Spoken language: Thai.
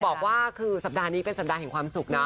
บอกว่าคือสัปดาห์นี้เป็นสัปดาห์แห่งความสุขนะ